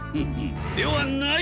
ではない！